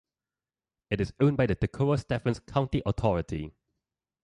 It is owned by the Toccoa-Stephens County Authority.